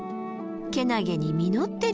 けなげに実ってる。